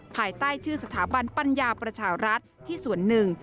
ภายใต้ชื่อสถาบันปัญญาประชารัฐที่ส่วนหนึ่ง